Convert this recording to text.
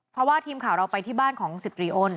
เพราะว่าทีมข่าวเราไปที่บ้านของ๑๐ตรีอ้น